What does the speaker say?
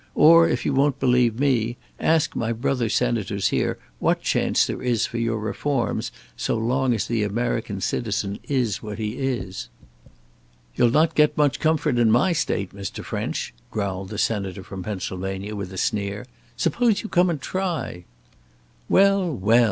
Or if you won't believe me, ask my brother senators here what chance there is for your Reforms so long as the American citizen is what he is." "You'll not get much comfort in my State, Mr. French," growled the senator from Pennsylvania, with a sneer; "suppose you come and try." "Well, well!"